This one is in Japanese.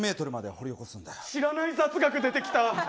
知らない雑学出てきた。